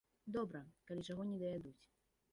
Добра, калі чаго не даядуць.